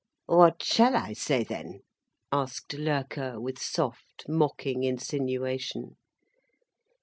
"What shall I say, then?" asked Loerke, with soft, mocking insinuation.